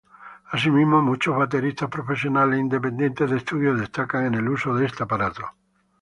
Asimismo, muchos bateristas profesionales independientes de estudio destacan en el uso de este aparato.